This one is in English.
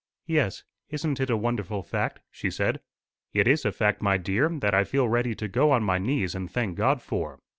"Yes. Isn't it a wonderful fact?" she said. "It is a fact, my dear, that I feel ready to go on my knees and thank God for.